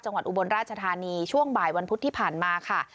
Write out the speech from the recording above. อุบลราชธานีช่วงบ่ายวันพุธที่ผ่านมาค่ะ